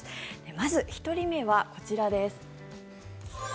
まず、１人目はこちらです。